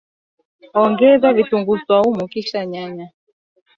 Ongeza vitunguu swaumu kisha nyanya